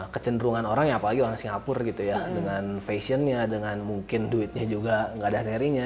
kecenderungan orang ya apalagi orang singapura gitu ya dengan fashionnya dengan mungkin duitnya juga nggak ada serinya